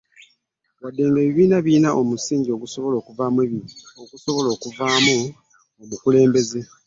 Wadde ng'ekibiina kirina omusingi ogusobola okuvaamu omukulembeze.